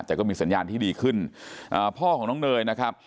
แต่ก็มีสัญญาณที่ดีขึ้นอ่าพ่อของน้องเนยนะครับ